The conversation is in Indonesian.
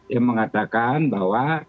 yang mengatakan bahwa